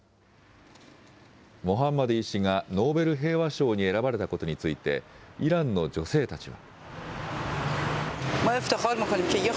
モハンマディ氏がノーベル平和賞に選ばれたことについて、イランの女性たちは。